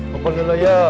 kumpul dulu yuk